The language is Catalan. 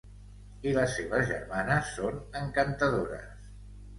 I les seves germanes són encantadores.